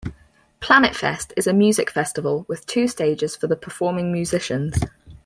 Planetfest is a music festival with two stages for the performing musicians.